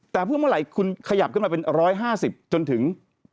แต่เพื่อเมื่อไหร่คุณขยับขึ้นมาเป็น๑๕๐จนถึง